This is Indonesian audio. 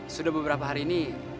sudah beberapa hari ini